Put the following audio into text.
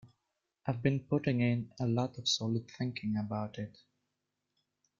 I've been putting in a lot of solid thinking about it.